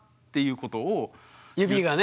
指がね。